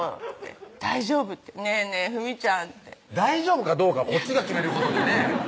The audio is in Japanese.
「大丈夫」って「ねぇねぇふみちゃん」って大丈夫かどうかはこっちが決めることでね